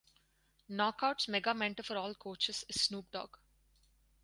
Knockouts Mega Mentor for all coaches is Snoop Dogg.